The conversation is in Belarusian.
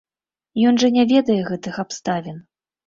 Ён жа не ведае гэтых абставін.